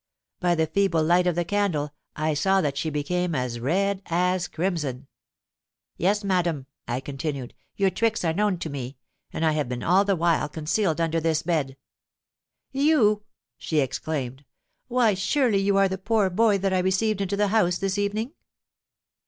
'—By the feeble light of the candle, I saw that she became as red as crimson.—'Yes, madam,' I continued, 'your tricks are known to me; and I have been all the while concealed under this bed.'—'You!' she exclaimed: 'why, surely you are the poor boy that I received into the house this evening?'